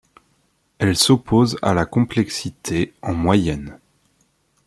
Elle s'oppose à la complexité en moyenne.